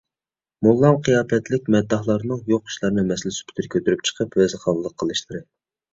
موللام قىياپەتلىك مەدداھلارنىڭ يوق ئىشلارنى مەسىلە سۈپىتىدە كۆتۈرۈپ چىقىپ ۋەزخانلىق قىلىشلىرى